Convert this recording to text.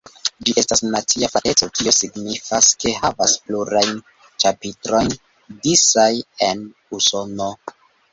Ĝi estas nacia frateco, kio signifas ke havas plurajn ĉapitrojn disaj en Usono.